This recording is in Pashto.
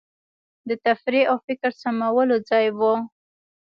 د تفریح او فکر سمولو ځای وو.